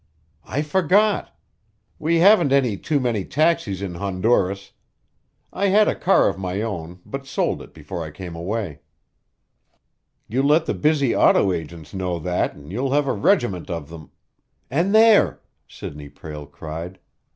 "I forgot! We haven't any too many taxis in Honduras. I had a car of my own, but sold it before I came away." "You let the busy auto agents know that, and you'll have a regiment of them " "And there!" Sidney Prale cried.